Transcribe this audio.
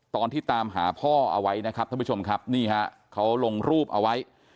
ตามหาพ่อเอาไว้นะครับท่านผู้ชมครับนี่ฮะเขาลงรูปเอาไว้